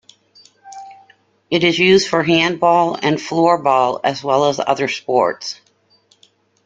It is used for handball and floorball as well as other sports.